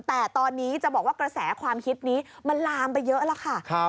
แต่ตอนนี้จะบอกว่ากระแสความคิดนี้มันลามไปเยอะแล้วค่ะ